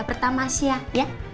bertamah siang ya